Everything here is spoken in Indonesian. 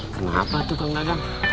kenapa tuh kangen